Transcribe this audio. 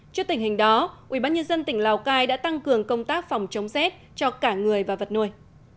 trước tình hình đó ubnd tỉnh lào cai đã tăng cường công tác phòng chống rét cho cả người và vật nuôi